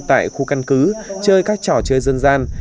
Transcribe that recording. tại khu căn cứ chơi các trò chơi dân gian